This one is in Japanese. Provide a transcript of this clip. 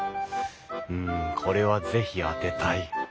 うんこれは是非当てたい。